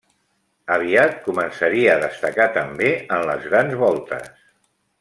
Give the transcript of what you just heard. Aviat començaria a destacar també en les grans voltes.